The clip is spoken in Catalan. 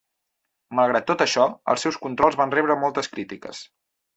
Malgrat tot això, els seus controls van rebre moltes crítiques.